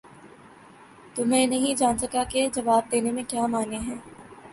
تو میں نہیں جان سکا کہ جواب دینے میں کیا مانع ہے؟